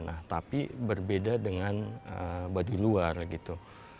nah tapi berbeda dengan baduy luar gitu